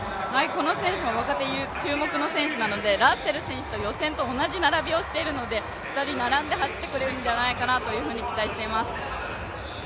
この選手も若手注目の選手なので、ラッセル選手と予選と同じ並びをしているので２人並んで走ってくれるんじゃないかと期待しています。